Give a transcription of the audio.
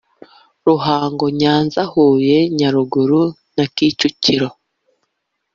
ruhango nyanza huye nyaruguru na kicukiro